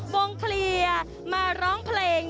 วงเคลียร์มาร้องเพลง